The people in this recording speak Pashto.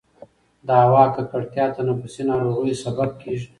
د هوا ککړتیا د تنفسي ناروغیو سبب کېږي.